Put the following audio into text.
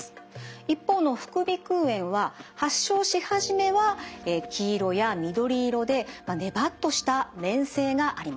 一方の副鼻腔炎は発症し始めは黄色や緑色でねばっとした粘性があります。